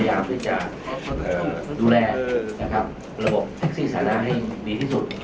ระบบแท็กซี่สาธารณ์ให้ดีที่สุด